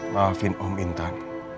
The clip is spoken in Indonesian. maafin om intan